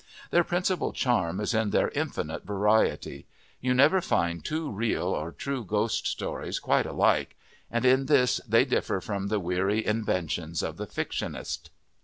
Their principal charm is in their infinite variety; you never find two real or true ghost stories quite alike, and in this they differ from the weary inventions of the fictionist.